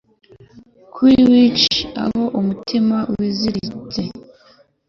Kuri wick aho umutima wiziritse